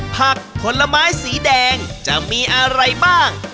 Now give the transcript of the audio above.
ผลไม้สีแดงจะมีอะไรบ้าง